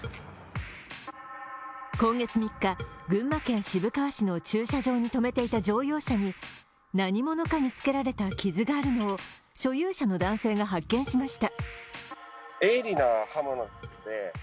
今月３日、群馬県渋川市の駐車場に止めていた乗用車に何者かにつけられた傷があるのを所有者の男性が発見しました。